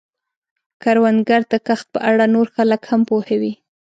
کروندګر د کښت په اړه نور خلک هم پوهوي